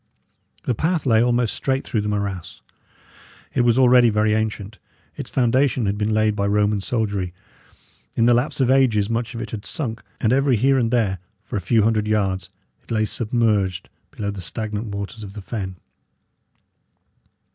The path lay almost straight through the morass. It was already very ancient; its foundation had been laid by Roman soldiery; in the lapse of ages much of it had sunk, and every here and there, for a few hundred yards, it lay submerged below the stagnant waters of the fen.